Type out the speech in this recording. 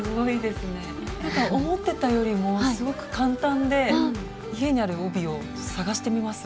思ってたよりもすごく簡単で家にある帯を探してみます